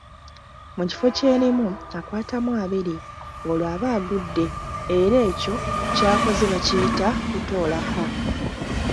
Mu kifo ky’erimu akwatamu abiri, olwo aba agudde era ekyo ky’akoze bakiyita kutoolako.